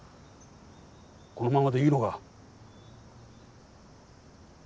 このままでいいのか？